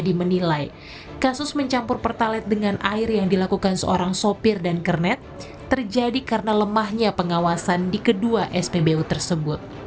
jadi menilai kasus mencampur pertalite dengan air yang dilakukan seorang sopir dan kernet terjadi karena lemahnya pengawasan di kedua spbu tersebut